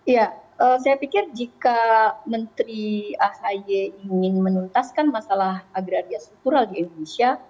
ya saya pikir jika menteri ahi ingin menuntaskan masalah agraria struktural di indonesia